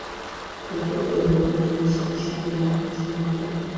একটা কাদার তাল যেমন, সমষ্টিমনও তেমনি, সমগ্র জগৎও তেমনি।